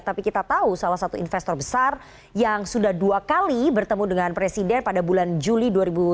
tapi kita tahu salah satu investor besar yang sudah dua kali bertemu dengan presiden pada bulan juli dua ribu dua puluh